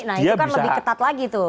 nah itu kan lebih ketat lagi tuh